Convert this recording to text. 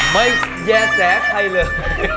ไม่แย่แสใครเลย